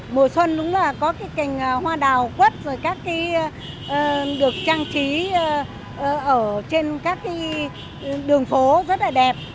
mùa xuân đúng là có cái cành hoa đào quất rồi các cái được trang trí ở trên các cái đường phố rất là đẹp